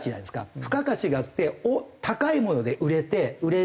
付加価値があって高いもので売れて売れる。